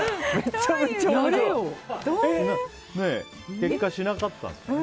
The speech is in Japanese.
結果しなかったんですかね。